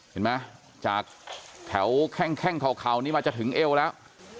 เห็นไหมจากแถวแข้งเข่านี้มาจะถึงเอวแล้ว